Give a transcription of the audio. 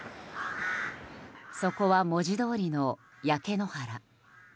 そこは文字どおりの焼け野原。